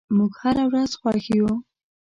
موږ هره ورځ خوښ یو.